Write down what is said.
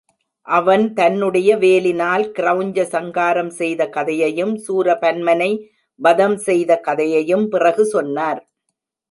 அவன் தன்னுடைய வேலினால் கிரெளஞ்ச சங்காரம் செய்த கதையையும், சூரபன்மனை வதம் செய்த கதையையும் பிறகு சொன்னார்.